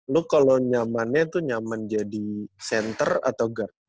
lu kalo nyamannya tuh nyaman jadi center atau guard